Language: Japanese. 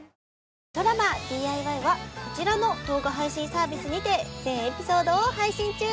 ドラマ「ＤＩＹ‼」はこちらの動画配信サービスにて全エピソードを配信中！